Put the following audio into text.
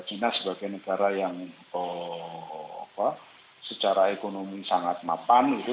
china sebagai negara yang secara ekonomi sangat mapan gitu